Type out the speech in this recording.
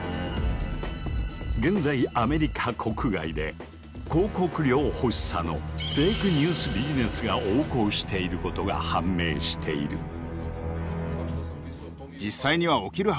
現在アメリカ国外で広告料欲しさの「フェイクニュースビジネス」が横行していることが判明している。